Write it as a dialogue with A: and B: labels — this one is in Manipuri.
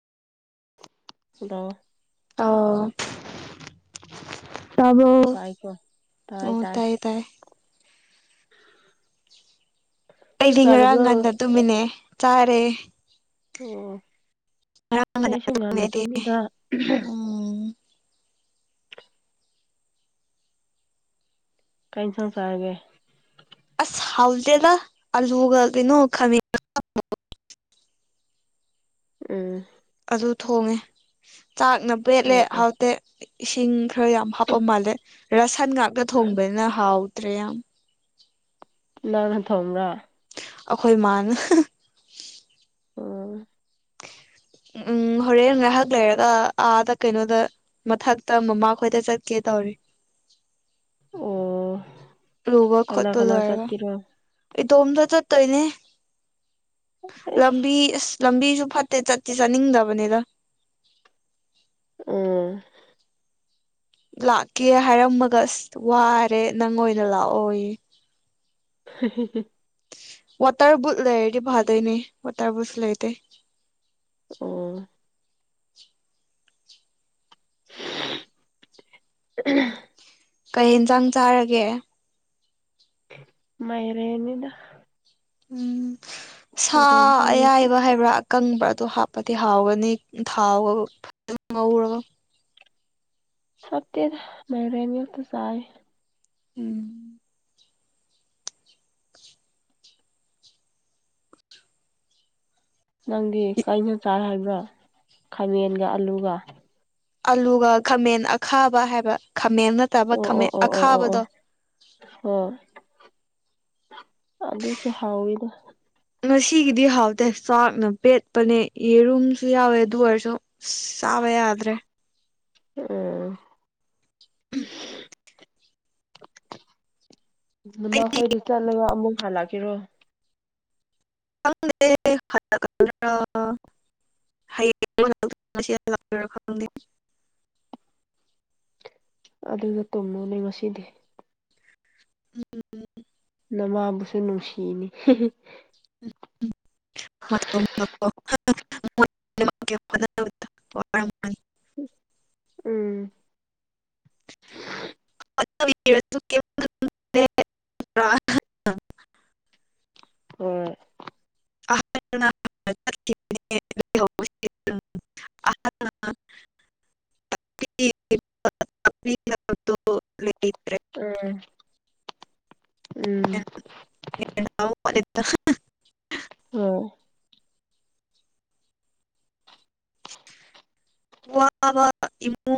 A: ꯗꯥ
B: ꯑꯥꯎ ꯁꯕ
A: ꯇꯥꯏꯀꯣ ꯇꯥꯏ
B: ꯑꯣ
A: ꯇꯥꯏ
B: ꯊꯥꯏ ꯊꯥꯏ
A: ꯆꯥꯛ
B: ꯑꯩꯗꯤ ꯉ
A: ꯆꯥꯔꯕ꯭ꯔꯣ
B: ꯉꯥꯟꯗ ꯇꯃꯤꯅꯦ ꯆꯥꯔꯦ
A: ꯑꯣ
B: ꯉꯔꯥꯡ ꯉꯟꯅ
A: ꯑꯩꯁꯨ
B: ꯇꯨꯝꯃꯦ
A: ꯉꯥꯟꯟꯅ
B: ꯑꯩꯗꯤ
A: ꯇꯨꯝꯃꯤꯗ
B: ꯎꯝ
A: ꯀꯩꯅꯩꯅ ꯁꯁꯔꯒꯦ
B: ꯑꯁ ꯍꯥꯎꯗꯦꯗ ꯑꯜꯨꯒꯗꯅꯣ ꯈ
A: ꯎꯝ
B: ꯑꯗꯨ ꯊꯣꯡꯉꯦ ꯆꯥꯛꯅꯕꯦꯠꯂꯦ
A: ꯑꯣ ꯑꯣ
B: ꯍꯥꯎꯇꯦ ꯏꯁꯤꯡ ꯈꯔ ꯌꯥꯝ ꯍꯥꯞꯄ ꯃꯥꯜꯂꯦ ꯔꯁꯟ ꯉꯥꯛꯇ ꯊꯣꯡꯕꯅꯤꯅ ꯍꯥꯎꯗ꯭ꯔꯦ ꯌꯥꯝ
A: ꯅꯪ ꯍꯟ ꯊ ꯑꯃ꯭ꯔꯥ
B: ꯑꯩꯈꯣꯏ ꯃꯥꯅ
A: ꯑꯣ
B: ꯎꯝ ꯍꯣꯔꯦꯟ ꯉꯥꯏꯍꯥꯛ ꯂꯩꯔꯒ ꯑꯥꯗ ꯀꯩꯅꯣꯗ ꯃꯊꯛꯇ ꯃꯃꯥꯈꯣꯏꯗ ꯆ ꯀꯦ ꯇꯧꯔꯤ
A: ꯑꯣ
B: ꯔꯒꯔ ꯈꯠ
A: ꯀꯅꯥ
B: ꯇꯣ
A: ꯀꯅꯥ
B: ꯂꯣꯏꯔꯒ
A: ꯆꯠꯀꯦꯔꯣ
B: ꯏꯇꯣꯝꯇ ꯆꯠꯇꯣꯏꯅꯦ
A: ꯑꯩꯁ
B: ꯂꯝꯕꯤ ꯑꯁ ꯂꯝꯕꯤꯁꯨ ꯐꯠꯇꯦ ꯆꯠꯇꯠꯇꯤ ꯆꯠꯅꯤꯡꯗꯕꯅꯤꯗ
A: ꯑ
B: ꯂꯥꯛꯀꯦ ꯍꯥꯏꯔꯝꯃꯒ ꯑꯁ ꯋꯥꯔꯦ ꯅꯪ ꯑꯣꯏꯅ ꯂꯥꯛꯑꯣꯌꯦ
A: [unintelligible]
B: ꯋꯥꯇꯔꯕꯨꯠ ꯂꯩ ꯍꯥꯏꯗꯤ ꯐꯗꯩꯅꯦ ꯋꯥꯇꯔꯕꯨꯠ ꯂꯩꯥꯏꯇ
A: ꯑꯣ [unintelligible]
B: ꯀꯩ ꯌꯦꯟꯁꯥꯡ ꯆꯥꯔꯒꯦ
A: ꯃꯩꯔ ꯌꯦꯅꯤꯗ
B: ꯎꯝ ꯁꯥ
A: ꯆꯥꯏ ꯉꯁꯤ
B: ꯑꯌꯥꯏꯕ ꯍꯥꯏꯕ꯭ꯔꯥ ꯀꯪꯕ꯭ꯔ ꯑꯗꯨꯣ ꯍꯥꯞꯄꯗꯤ ꯍꯥꯎꯒꯅꯤ ꯊꯥꯎꯕ ꯑꯗꯨꯝ ꯉꯧꯔꯒ
A: ꯁꯞꯇꯔ ꯃꯔꯅꯤꯌꯛꯇꯖꯥꯏ
B: ꯎꯝ
A: ꯅꯪꯒꯤ ꯀꯩꯅ ꯆꯥꯏ ꯍꯥꯏꯕ꯭ꯔꯥ ꯈꯥꯃꯦꯟꯒ ꯑꯂꯨꯒ
B: ꯑꯂꯨꯒ ꯈꯥꯃꯦꯟ ꯑꯈꯥꯕ ꯍꯥꯏꯕ ꯈꯥꯃꯦꯟ ꯅꯠꯇꯕ
A: ꯑꯣ ꯑꯣ
B: ꯈꯥꯃꯦꯟ
A: ꯑꯣ ꯑꯣ ꯑꯣ ꯑꯣ
B: ꯑꯈꯥꯕꯗꯣ
A: ꯍꯣꯏ ꯑꯗꯨꯁꯨ ꯍꯥꯎꯋꯤꯗ
B: ꯉꯁꯤꯒꯤꯗꯤ ꯍꯥꯎꯇꯦ ꯆꯥꯛꯅ ꯄꯦꯠꯄꯅꯦ ꯌꯦꯔꯨꯝꯁꯨ ꯌꯥꯎꯋꯦ ꯑꯗꯨ ꯑꯣꯏꯔꯁꯨ ꯇ ꯌꯥꯗ꯭ꯔꯦ
A: ꯑꯝ ꯑꯗꯨꯅ ꯃꯈꯣꯏꯗ ꯆꯠꯂꯒ ꯑꯃꯨꯛ ꯍꯜꯂꯛꯀꯔꯣ
B: ꯪꯦ ꯍ ꯍꯥꯏ
A: ꯑꯗꯨꯗ ꯇꯨꯝꯂꯨꯅꯦ ꯉꯁꯤꯗꯤ ꯅꯃꯥꯕꯨꯁꯨ ꯅꯨꯡꯁꯤꯅꯤ
B: ꯃ ꯋꯥ
A: ꯎꯝ
B: ꯭ꯔ
A: ꯑꯣ
B: ꯆꯠꯈꯤꯕꯅꯦ ꯂꯩꯍꯧꯕꯁꯦ ꯑꯍꯟꯒꯤ ꯇꯥꯛꯄꯤꯅꯕꯗꯣ ꯂꯩꯇ꯭ꯔꯦ
A: ꯎꯝ ꯎꯝ
B: ꯑ
A: ꯑꯣ
B: ꯋꯥ ꯋꯥ ꯏꯃ